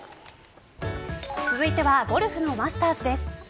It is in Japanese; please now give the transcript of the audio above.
続いてはゴルフのマスターズです。